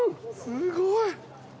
すごい！